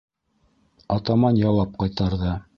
Атаман яуап ҡайтарҙы: